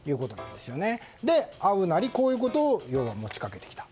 で、会うなり、こういうことを持ちかけてきた。